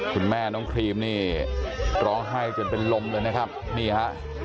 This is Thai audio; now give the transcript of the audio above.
คุณแม่น้องครีมนี่ร้องไห้จนเป็นลมเลยนะครับนี่ฮะ